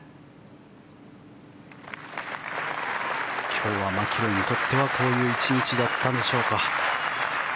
今日はマキロイにとってはこういう１日だったんでしょうか。